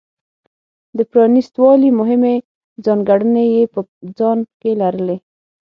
د پرانېست والي مهمې ځانګړنې یې په ځان کې لرلې.